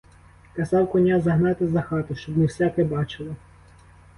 Казав коня загнати за хату, щоб не всяке бачило.